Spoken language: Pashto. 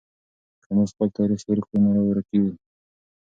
که موږ خپل تاریخ هېر کړو نو ورکېږو.